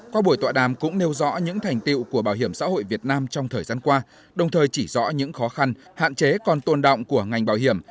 qua buổi tọa đàm cũng nêu rõ những thành tiệu của bảo hiểm xã hội việt nam trong thời gian qua đồng thời chỉ rõ những khó khăn hạn chế còn tồn động của ngành bảo hiểm